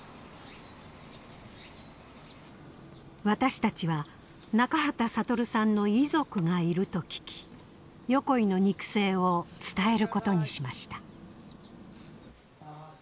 私たちは中畠悟さんの遺族がいると聞き横井の肉声を伝えることにしました。